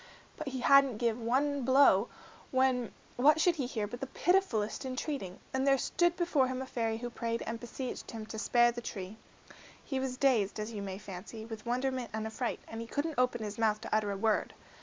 But he hadn't given one blow, when what should he hear but the pitifullest entreating, and there stood before him a fairy who prayed and beseeched him to spare the tree. He was dazed, as you may fancy, with wonderment and affright, and he couldn't open his mouth to utter a word.